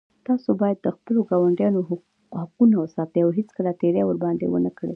تاسو باید د خپلو ګاونډیانو حقونه وساتئ او هېڅکله تېری ورباندې ونه کړئ